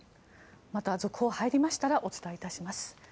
また続報が入りましたらお伝え致します。